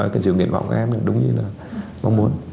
cần giữ nguyện vọng các em đúng như là mong muốn